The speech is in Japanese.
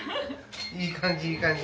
いい感じいい感じ